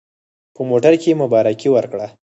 په موټر کې مبارکي ورکړه.